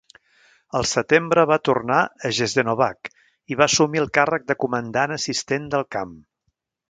Al setembre, va tornar a Jasenovac i va assumir el càrrec de comandant assistent del camp.